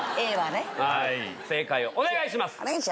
正解をお願いします！